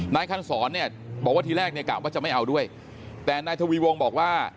นายคันศรเนี่ยบอกว่าทีแรกเนี่ยกะว่าจะไม่เอาด้วยแต่นายทวีวงบอกว่า